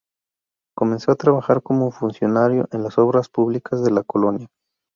Comenzó a trabajar como funcionario en las obras públicas de la colonia.